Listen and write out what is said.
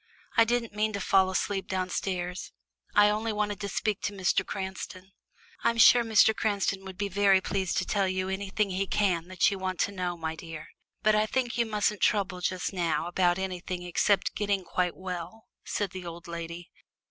I didn't mean to fall asleep downstairs. I only wanted to speak to Mr. Cranston." "I'm sure Mr. Cranston would be very pleased to tell you anything he can that you want to know, my dear. But I think you mustn't trouble just now about anything except getting quite well," said the old lady.